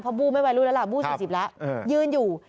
เพราะบู้ไม่วัยรุ่นแล้วล่ะบู้สี่สิบแล้วยืนอยู่